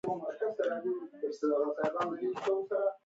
د مختلفو هېوادونو په معاملو کې سره زر نړیوالې پیسې دي